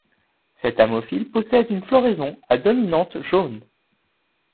Cette ammophile possède une floraison à dominante jaune.